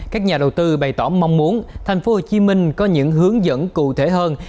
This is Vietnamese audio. các nhà đầu tư bày tỏ mong muốn thành phố hồ chí minh có những hướng dẫn cụ thể hơn